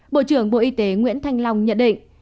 bộ trưởng bộ y tế nguyễn thanh long nhận định